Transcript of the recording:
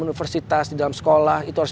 universitas di dalam sekolah itu harus